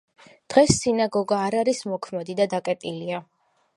დღეს სინაგოგა არ არის მოქმედი და დაკეტილია.